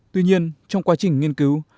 tuy nhiên trong quá trình nghiên cứu